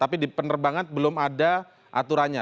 tapi di penerbangan belum ada aturannya